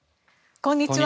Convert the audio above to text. こんにちは。